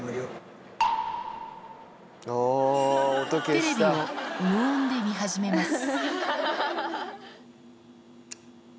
テレビを無音で見始めます。